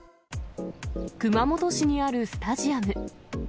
熊本市にあるスタジアム。